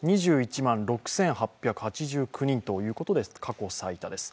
２１万６８８９人ということで過去最多です。